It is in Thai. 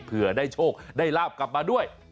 เพื่อได้โชคได้ลาบกลับมาด้วย